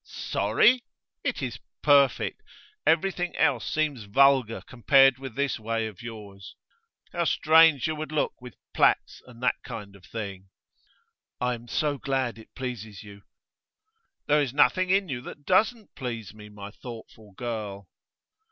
'Sorry? It is perfect. Everything else seems vulgar compared with this way of yours. How strange you would look with plaits and that kind of thing!' 'I am so glad it pleases you.' 'There is nothing in you that doesn't please me, my thoughtful girl.